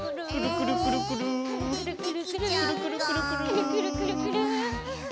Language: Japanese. くるくるくるくる！